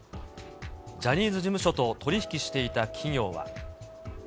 ジャニーズ事務所と取り引きしていた企業は。